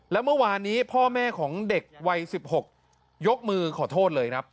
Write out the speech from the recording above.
แล้วเมื่อวานนี้พ่อแม่ของเด็กวัย๑๖ยกมือขอโทษเลยครับ